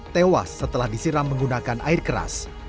tewas setelah disiram menggunakan air keras